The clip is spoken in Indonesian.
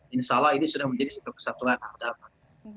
insya allah ini sudah menjadi satu kesatuan yang dapat